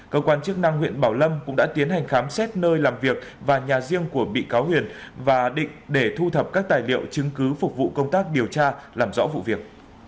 cơ quan chức năng huyện bảo lâm cũng đã tiến hành khám xét nơi làm việc và nhà riêng của bị cáo huyền và định để thu thập các tài liệu chứng cứ phục vụ công tác điều tra làm rõ vụ việc